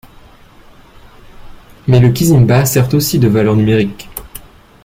Mais le Kisimba sert aussi de valeur numérique.